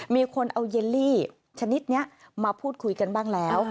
มีคนเอาเยลลี่ชนิดนี้มาพูดคุยกันบ้างแล้ว